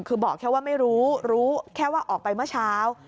คือบอกแค่ว่าไม่รู้รู้แค่ว่าออกไปเมื่อเช้า